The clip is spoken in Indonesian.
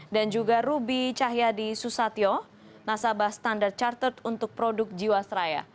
dan juga ruby cahyadi susatyo nasabah standard chartered untuk produk jiwasraya